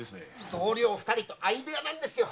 同僚二人と相部屋なんですよ。